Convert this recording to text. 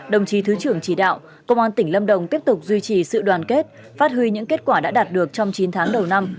đồng chí thứ trưởng chỉ đạo công an tỉnh lâm đồng tiếp tục duy trì sự đoàn kết phát huy những kết quả đã đạt được trong chín tháng đầu năm